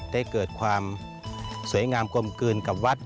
ได้เกิดความสวยงามกลมกลืนกับวัด